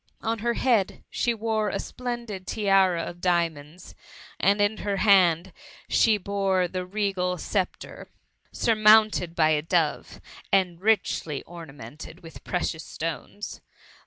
On her head, she wore a splendid tiara of diamonds ; and in her hand, she bore the regal sceptre, surmounted by a dove, and richly ornamented witb precious stones.